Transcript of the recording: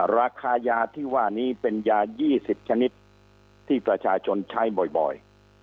ราคายาที่ว่านี้เป็นยา๒๐ชนิดที่ประชาชนใช้บ่อย